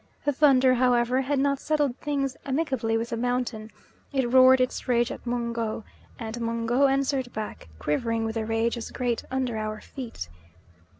The thunder, however, had not settled things amicably with the mountain; it roared its rage at Mungo, and Mungo answered back, quivering with a rage as great, under our feet.